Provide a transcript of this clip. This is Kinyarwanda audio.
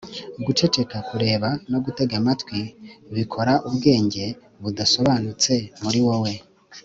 guceceka, kureba, no gutega amatwi bikora ubwenge budasobanutse muri wowe